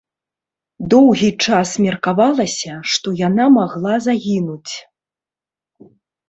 Доўгі час меркавалася, што яна магла загінуць.